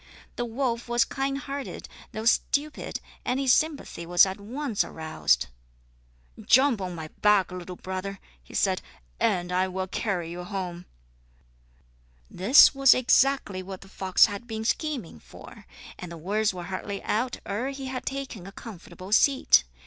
The wolf was kind hearted, though stupid, and his sympathy was at once aroused. "Jump on my back, little brother," he said, "and I will carry you home." This was exactly what the fox had been scheming for, and the words were hardly out ere he had taken a comfortable seat.